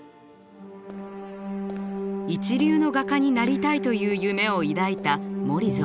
一流の画家になりたいという夢を抱いたモリゾ。